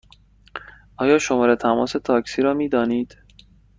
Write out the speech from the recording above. آیا شماره تماس تاکسی را می دانید؟